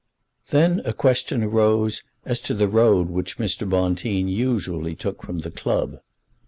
Then a question arose as to the road which Mr. Bonteen usually took from the club.